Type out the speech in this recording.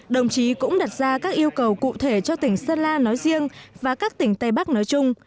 đồng chí cũng đặt ra các yêu cầu cụ thể cho tỉnh sơn la nói riêng và các tỉnh tây bắc nói chung